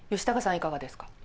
いかがですか？